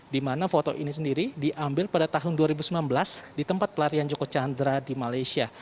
di mana foto ini sendiri diambil pada tahun dua ribu sembilan belas di tempat pelarian joko chandra di malaysia